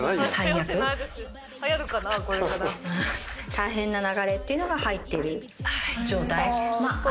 大変な流れっていうのが入ってる状態あったじゃん。